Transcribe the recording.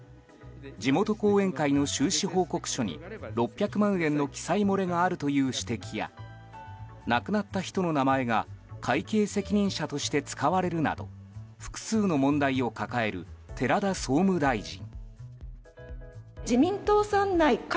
地元後援会の収支報告書に６００万円の記載漏れがあるという指摘や亡くなった人の名前が会計責任者として使われるなど複数の問題を抱える寺田総務大臣。